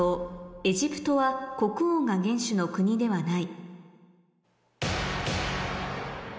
「エジプトは国王が元首の国ではない」